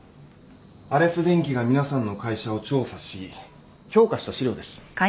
アレス電機が皆さんの会社を調査し評価した資料です。